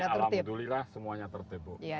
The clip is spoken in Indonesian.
alhamdulillah semuanya tertib bu